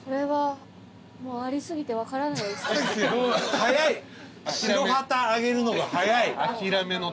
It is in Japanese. はい。